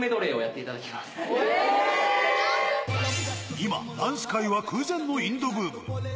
今、ダンス界は空前のインドブーム。